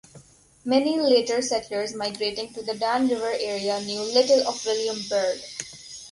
Many later settlers migrating to the Dan River Area knew little of William Byrd.